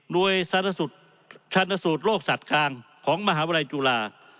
ด้วยธรรมสูตรโรคศัตริย์กลางของมหาวิทยาลัยจุฬาฯ